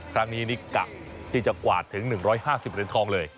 คราวนี้นิกะที่จะกวาดถึง๑๕๐เป็นทองเลย